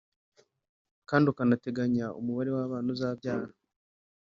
kandi ukanateganya umubare w'abana uzabyara